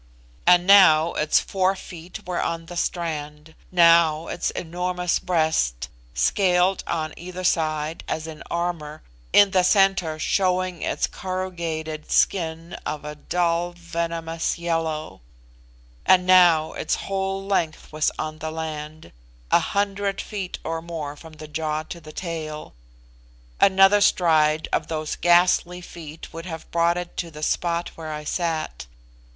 And now its fore feet were on the strand now its enormous breast, scaled on either side as in armour, in the centre showing its corrugated skin of a dull venomous yellow; and now its whole length was on the land, a hundred feet or more from the jaw to the tail. Another stride of those ghastly feet would have brought it to the spot where I sat.